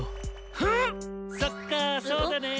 ふうっ⁉そっかぁそうだね！